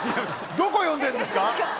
どこ読んでんですか？